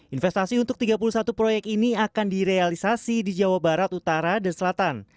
investasi untuk tiga puluh satu proyek ini akan direalisasi di jawa barat utara dan selatan